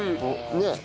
ねえ。